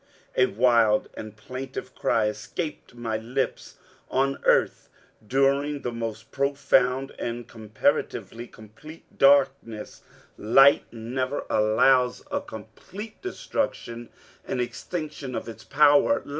A wild and plaintive cry escaped my lips. On earth during the most profound and comparatively complete darkness, light never allows a complete destruction and extinction of its power.